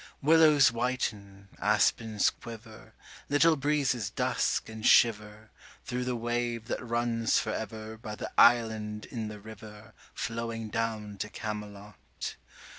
Willows whiten, aspens quiver, 10 Little breezes dusk and shiver Thro' the wave that runs for ever By the island in the river Flowing down to Camelot.